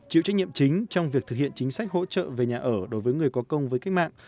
chịu trách nhiệm chính trong việc thực hiện chính sách hỗ trợ về nhà ở đối với người có công với cách mạng